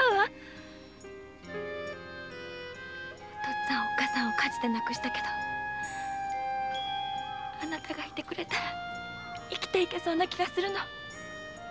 お父っつぁんおっ母さんを火事で亡くしたけどあなたが居てくれたら生きて行けそうな気がする。